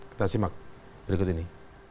kita simak berikut ini